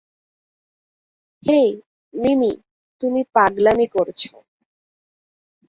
হেই, মিমি, তুমি পাগলামি করছ।